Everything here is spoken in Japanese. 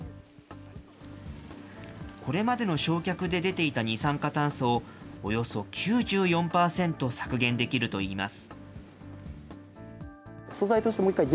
これまでの焼却で出ていた二酸化炭素を、およそ９４％削減できるといいます。